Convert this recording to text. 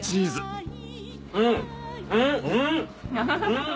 うん！